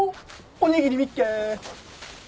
おにぎりみっけ！